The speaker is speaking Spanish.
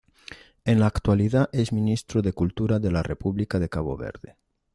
En la actualidad es Ministro de Cultura de la República de Cabo Verde.